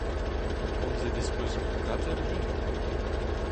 Komzet ez peus gant Katell ivez ?